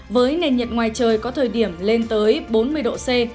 với nền nhiệt ngoài trời có thời điểm lên tới bốn mươi độ c